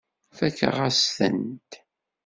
Fakeɣ-as-tent.